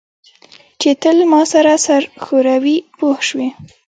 چې تل زما سره سر ښوروي پوه شوې!.